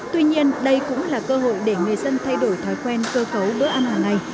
tuy nhiên đây cũng là cơ hội để người dân thay đổi thói quen cơ cấu bữa ăn hàng ngày